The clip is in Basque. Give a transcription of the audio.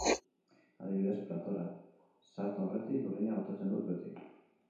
Adibidez, platora sartu aurretik lurrina botatzen dut beti.